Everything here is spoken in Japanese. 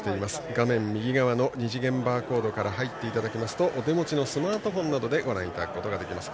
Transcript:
画面右側の二次元バーコードから入っていただくとお手持ちのスマートフォンなどでご覧いただくことができます。